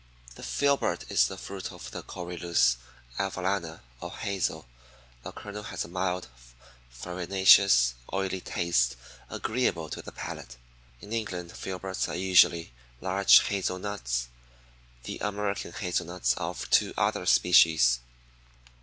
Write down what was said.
5. The filbert is the fruit of the Corylus avellana or hazel. The kernel has a mild, farinaceous, oily taste, agreeable to the palate. In England filberts are usually large hazel nuts. The American hazel nuts are of two other species.